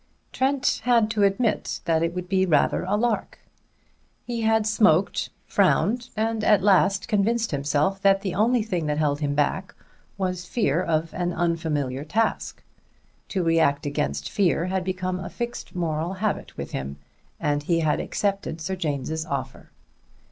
Trent had admitted that it would be rather a lark; he had smoked, frowned, and at last convinced himself that the only thing that held him back was fear of an unfamiliar task. To react against fear had become a fixed moral habit with him, and he had accepted Sir James's offer.